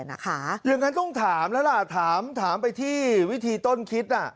อย่างนั้นต้องถามแล้วล่ะถามไปที่วิธีต้นคิด